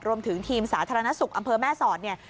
รวมถึงทีมสาธารณสุขอำเภอแม่สอดเนี่ย